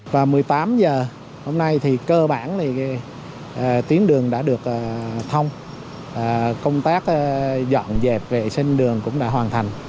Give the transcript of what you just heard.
và một mươi tám h hôm nay thì cơ bản thì tuyến đường đã được thông công tác dọn dẹp vệ sinh đường cũng đã hoàn thành